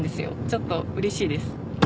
ちょっとうれしいです。